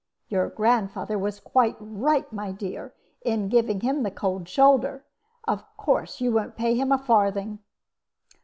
Your grandfather was quite right, my dear, in giving him the cold shoulder. Of course you won't pay him a farthing."